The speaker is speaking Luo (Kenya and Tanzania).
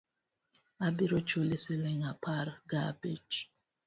Abiro chuli siling apar ga abich